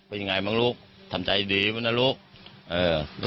ไปยังไงบ้างลูกทำใจดีไหมนะลูกเอ่อ